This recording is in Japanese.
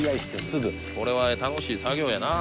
すぐこれは楽しい作業やな